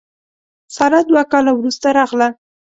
ساره دوه کاله وروسته راغله.